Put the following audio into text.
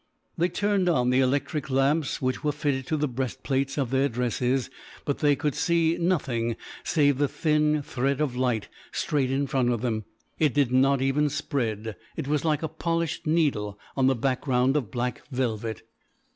They turned on the electric lamps which were fitted to the breastplates of their dresses, but they could see nothing save the thin thread of light straight in front of them. It did not even spread. It was like a polished needle on a background of black velvet.